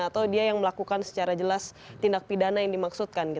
atau dia yang melakukan secara jelas tindak pidana yang dimaksudkan